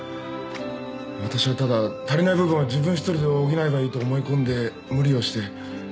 私はただ足りない部分は自分一人で補えばいいと思い込んで無理をして。